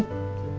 yuk kita masuk